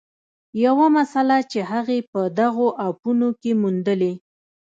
یوه مسله چې هغې په دغو اپونو کې موندلې